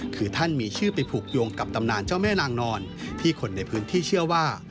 คือท่านมีชื่อไปผูกโยงกับตำนานเจ้าแม่นางนอนที่คนในพื้นที่เชื่อว่า